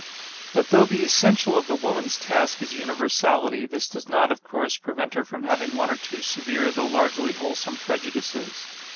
But though the essential of the woman's task is universality, this does not, of course, prevent her from having one or two severe though largely wholesome prejudices.